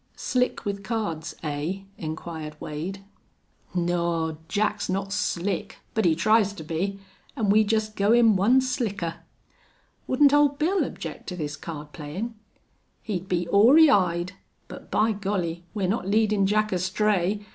"Slick with cards, eh?" inquired Wade. "Naw, Jack's not slick. But he tries to be. An' we jest go him one slicker." "Wouldn't Old Bill object to this card playin'?" "He'd be ory eyed. But, by Golly! we're not leadin' Jack astray.